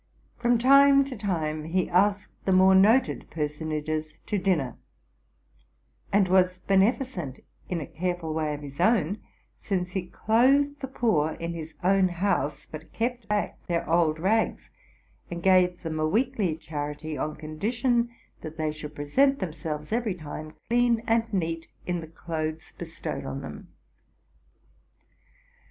From time to time he asked the more noted personages to dinner, and was beneficent in a careful way of his own; since he clothed the poor in his own house, but kept back their old rags, and gaye them a weekly charity, on condition that they should 62 TRUTH AND FICTION present themselves seeped time clean and neat in che clothes bestowed on them.